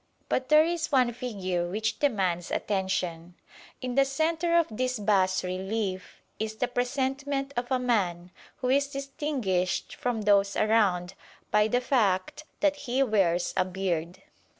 But there is one figure which demands attention. In the centre of this bas relief is the presentment of a man who is distinguished from those around by the fact that he wears a beard.